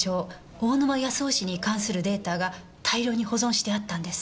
大沼安雄氏に関するデータが大量に保存してあったんです。